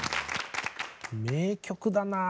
名曲だな。